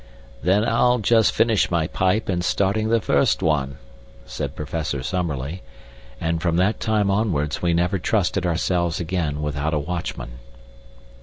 "Then I'll just finish my pipe in starting the first one," said Professor Summerlee; and from that time onwards we never trusted ourselves again without a watchman.